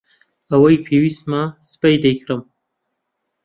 ئەوەی پێویستمە سبەی دەیکڕم.